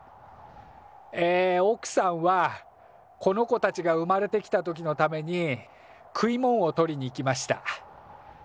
えおくさんはこの子たちが生まれてきた時のために食い物を取りに行きました。